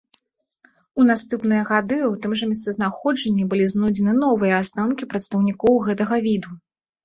У наступныя гады ў тым жа месцазнаходжанні былі знойдзены новыя астанкі прадстаўнікоў гэтага віду.